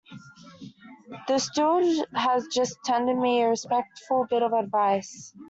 The steward has just tendered me a respectful bit of advice.